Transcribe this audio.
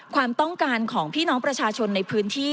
ความต้องการของพี่น้องประชาชนในพื้นที่